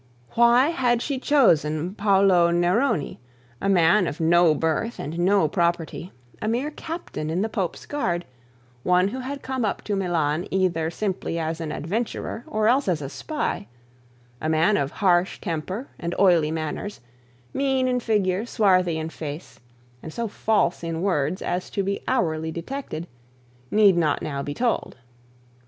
Why she had chosen Paulo Neroni, a man of no birth and no property, a mere captain in the pope's guard, one who had come up to Milan either simply as an adventurer or as a spy, a man of harsh temper and oily manners, mean in figure, swarthy in face, and so false in words as to be hourly detected, need not now be told.